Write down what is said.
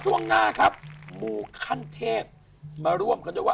ช่วงหน้าครับมูขั้นเทพมาร่วมกันด้วยว่า